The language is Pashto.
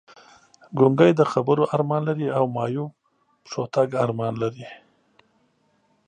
ګونګی د خبرو ارمان لري او معیوب پښو تګ ارمان لري!